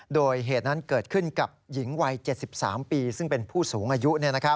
โดยเหตุนั้นเกิดขึ้นกับหญิงวัย๗๓ปีซึ่งเป็นผู้สูงอายุ